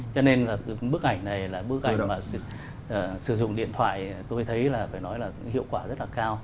cho nên là bức ảnh này là bức ảnh sử dụng điện thoại tôi thấy là phải nói là hiệu quả rất là cao